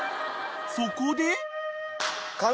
［そこで］